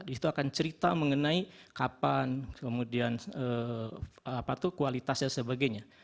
itu akan cerita mengenai kapan kemudian kualitas dan sebagainya